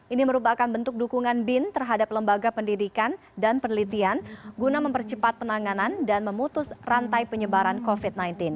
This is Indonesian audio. ini merupakan bentuk dukungan bin terhadap lembaga pendidikan dan penelitian guna mempercepat penanganan dan memutus rantai penyebaran covid sembilan belas